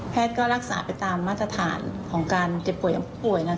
ก็รักษาไปตามมาตรฐานของการเจ็บป่วยของผู้ป่วย